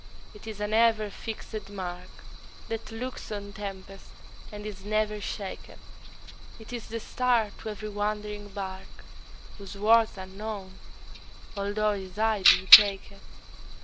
it is an ever fixed mark That looks on tempests and is never shaken; It is the star to every wandering bark, Whose worth's unknown, although his height be taken.